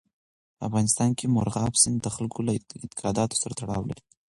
په افغانستان کې مورغاب سیند د خلکو له اعتقاداتو سره تړاو لري.